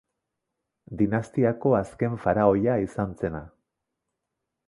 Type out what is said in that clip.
Dinastiako azken faraoia izan zena.